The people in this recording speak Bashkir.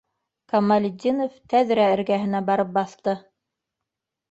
- Камалетдинов тәҙрә эргәһенә барып баҫты.